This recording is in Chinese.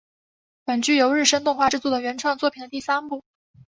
本剧由日升动画制作的原创作品的第三部。